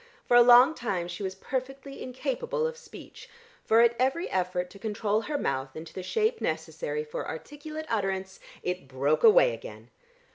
For a long time she was perfectly incapable of speech, for at every effort to control her mouth into the shape necessary for articulate utterance, it broke away again.